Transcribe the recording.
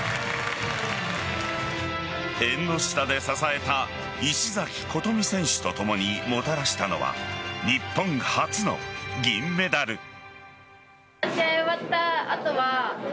縁の下で支えた石崎琴美選手とともにもたらしたのは日本初の銀メダル。